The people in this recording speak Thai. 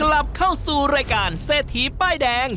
กลับเข้าสู่รายการเศรษฐีป้ายแดง